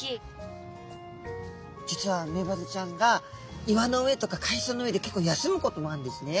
実はメバルちゃんが岩の上とか海藻の上で結構休むこともあるんですね。